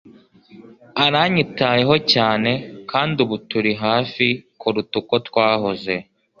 Aranyitayeho cyane kandi ubu turi hafi kuruta uko twahoze